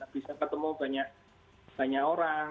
bisa ketemu banyak orang